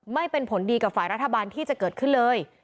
ไม่เป็นผลดีกับฝ่ายรัฐบาลที่จะเกิดขึ้นเลย